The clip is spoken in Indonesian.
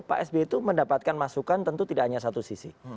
pak sby itu mendapatkan masukan tentu tidak hanya satu sisi